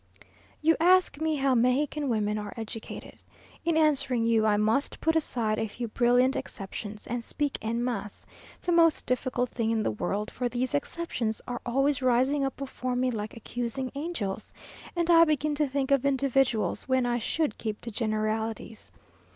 You ask me how Mexican women are educated. In answering you, I must put aside a few brilliant exceptions, and speak en masse, the most difficult thing in the world, for these exceptions are always rising up before me like accusing angels, and I begin to think of individuals, when I should keep to generalities.